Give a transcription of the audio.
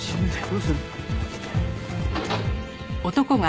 どうする？